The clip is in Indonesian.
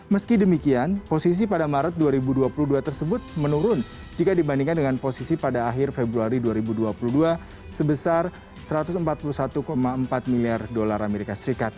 meski demikian posisi pada maret dua ribu dua puluh dua tersebut menurun jika dibandingkan dengan posisi pada akhir februari dua ribu dua puluh dua sebesar satu ratus empat puluh satu empat miliar dolar as